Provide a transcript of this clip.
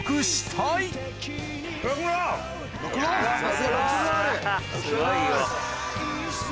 すごいよ。